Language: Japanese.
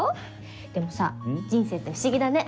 でもさ人生って不思議だね。